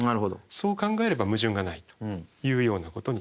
そう考えれば矛盾がないというようなことになります。